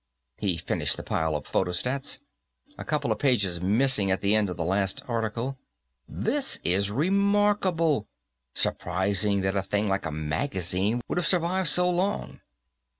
He finished the pile of photostats. "A couple of pages missing at the end of the last article. This is remarkable; surprising that a thing like a magazine would have survived so long."